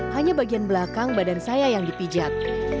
hanya bagian belakang badan saya yang dipijat